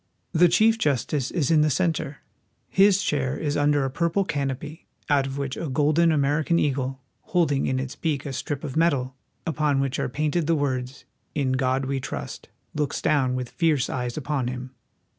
The chief justice is in the center. His chair is under a purple canopy, out of which a golden American eagle, holding in its beak a strip of metal, upon which are painted the words, " In God we trust," looks down with fierce eyes upon him.